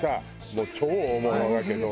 もう超大物だけど。